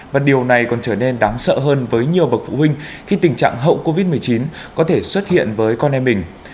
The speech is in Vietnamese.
và điều này còn trở nên đáng sợ hơn với nhiều bậc phụ huynh khi tình trạng hậu covid một mươi chín có thể xuất hiện với con em mình